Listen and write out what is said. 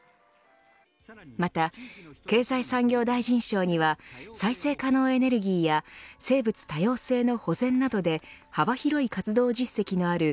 また、経済産業大臣賞には再生可能エネルギーや生物多様性の保全などで幅広い活動実績のある